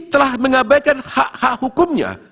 telah mengabaikan hak hak hukumnya